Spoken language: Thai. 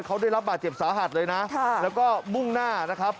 เขาได้รับบาดเจ็บสาหัสเลยนะแล้วก็มุ่งหน้านะครับ